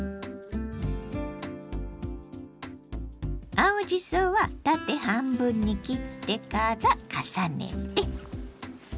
青じそは縦半分に切ってから重ねて。